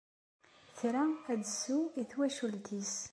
Tra ad d-tesseww i twacult-nnes.